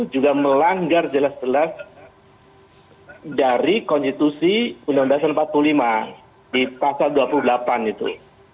juga melanggar jelas jelas dari konstitusi undang undang dasar empat puluh lima di pasal dua puluh delapan itu